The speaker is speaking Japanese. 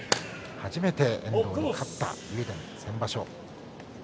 初めて遠藤に勝った竜電、先場所。